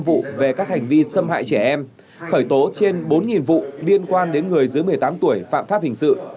hai mươi vụ về các hành vi xâm hại trẻ em khởi tố trên bốn vụ liên quan đến người dưới một mươi tám tuổi phạm pháp hình sự